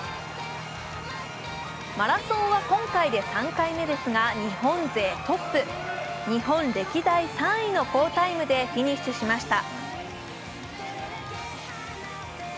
マラソンは今回で３回目ですが日本勢トップ、日本歴代３位の好タイムでフィニッシュしました。